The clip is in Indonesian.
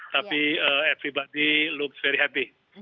tapi semuanya terlihat sangat senang